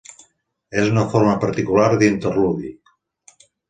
És una forma particular d'interludi.